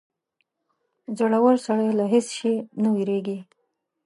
• زړور سړی له هېڅ شي نه وېرېږي.